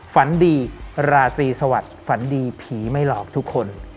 ฝันดีราตรีสวัสดิ์ฝันดีผีไม่หลอกทุกคน